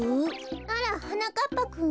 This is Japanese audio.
あらはなかっぱくん。